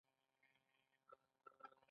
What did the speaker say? د زړه ناروغیو مخنیوي لپاره سالم ژوند ضروري دی.